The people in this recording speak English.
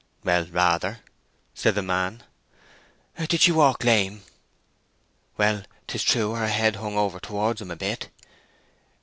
"Well—rather," said the man. "Did she walk lame?" "Well, 'tis true her head hung over towards him a bit."